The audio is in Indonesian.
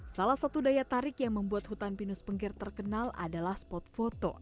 salah satu daya tarik yang membuat hutan pinus pengger terkenal adalah spot foto